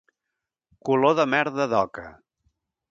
Color de merda d'oca.